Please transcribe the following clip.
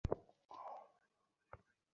আমি আগেই বলেছিলাম?